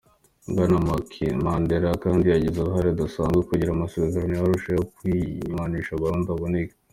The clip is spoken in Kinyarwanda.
Bwana Mandela kandi yagize uruhara rudasanzwe kugira amasezerano ya Arusha yo kunywanisha Abarundi aboneke.